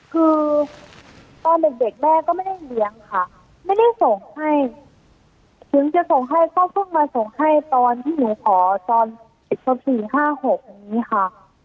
คือตอนเด็กแม่ก็ไม่ได้เลี้ยงค่ะไม่ได้ส่งให้ถึงจะส่งให้ก็เพิ่งมาส่งให้ตอนที่หนูขอตอน๑๐๔๕๖นี้ค่ะ